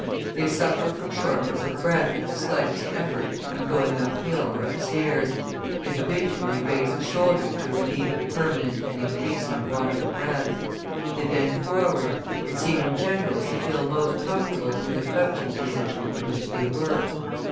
They suffer from shortness of breath at the slightest effort in going up hill or up stairs, they habitually raise the shoulders to relieve the permanent and increasing want of breath; they bend forward, and seem, in general, to feel most comfortable in the crouching position in which they work.